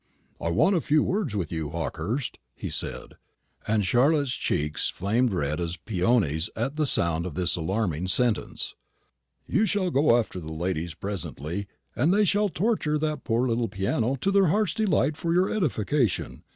"I want a few words with you, Hawkehurst," he said; and Charlotte's cheeks flamed red as peonies at sound of this alarming sentence. "You shall go after the ladies presently, and they shall torture that poor little piano to their hearts' delight for your edification.